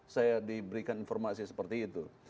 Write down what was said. saya diberikan informasi seperti itu